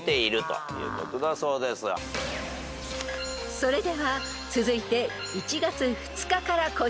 ［それでは続いて］